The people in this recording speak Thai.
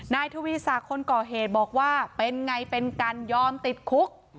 ทวีศักดิ์คนก่อเหตุบอกว่าเป็นไงเป็นกันยอมติดคุก